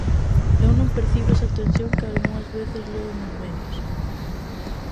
Eu non percibo esa tensión que algunhas veces leo nos medios.